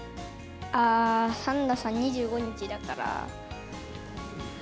ああ、サンタさん、２５日だから。